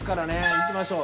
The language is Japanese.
いきましょう。